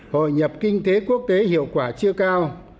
hội nhập kinh tế quốc tế hiệu quả chưa cao